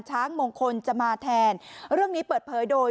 ช้างมงคลจะมาแทนเรื่องนี้เปิดเผยโดย